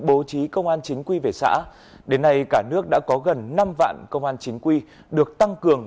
bố trí công an chính quy về xã đến nay cả nước đã có gần năm vạn công an chính quy được tăng cường